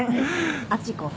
あっち行こ。